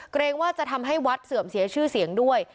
เกรงว่าจะทำให้วัดเสื่อมเสียชื่อเสียงด้วย